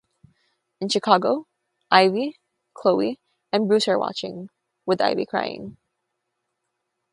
In Chicago; Ivy, Chloe, and Bruce are watching, with Ivy crying.